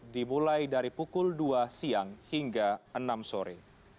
dimulai dari pukul dua siang hingga enam sore